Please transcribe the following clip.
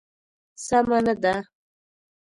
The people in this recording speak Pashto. سمه نه ده.